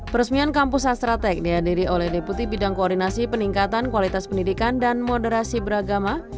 peresmian kampus astra tech dihadiri oleh deputi bidang koordinasi peningkatan kualitas pendidikan dan moderasi beragama